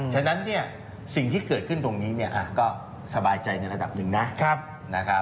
ฉะนั้นสิ่งที่เกิดขึ้นตรงนี้ก็สบายใจในระดับหนึ่งนะ